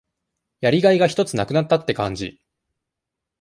やりがいがひとつ無くなったって感じ。